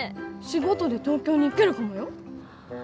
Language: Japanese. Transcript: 仕事で東京に行けるかもよ？